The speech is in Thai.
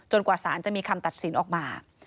กว่าสารจะมีคำตัดสินออกมา